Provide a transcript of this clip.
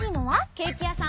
ケーキやさん！